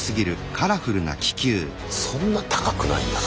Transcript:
そんな高くないんだな。